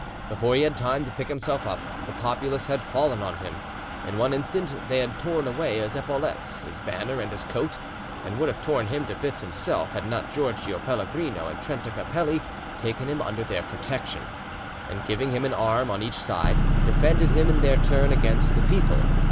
Before he had time to pick himself up, the populace had fallen on him: in one instant they had torn away his epaulettes, his banner, and his coat, and would have torn him to bits himself, had not Giorgio Pellegrino and Trenta Capelli taken him under their protection, and giving him an arm on each side, defended him in their turn against the people.